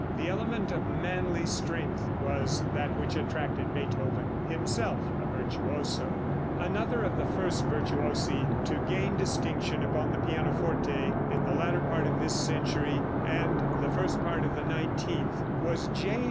The element of manly strength was that which attracted Beethoven, himself a virtuoso. [Illustration: Fig. 64. J.L. DUSSEK.] Another of the first virtuosi to gain distinction upon the pianoforte, in the latter part of this century and the first part of the nineteenth, was J.